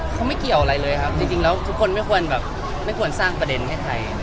เขาไม่เกี่ยวอะไรเลยครับจริงแล้วทุกคนไม่ควรแบบไม่ควรสร้างประเด็นให้ใคร